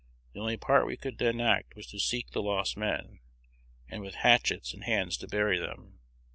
The only part we could then act was to seek the lost men, and with hatchets and hands to bury them.